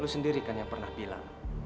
lu sendiri kan yang pernah bilang